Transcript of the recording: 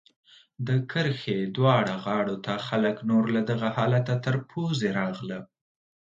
د کرښې دواړو غاړو ته خلک نور له دغه حالته تر پوزې راغله.